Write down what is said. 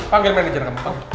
panggil manajer kamu